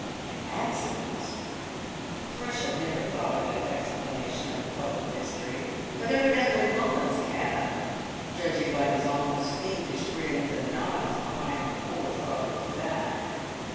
An accident! Thrush had never thought of that explanation of the public mystery; but evidently Mullins had, judging by his almost fiendish grins and nods behind the poor father's back.